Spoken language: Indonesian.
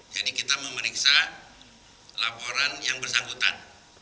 jadi kita memeriksa laporan yang bersangkutan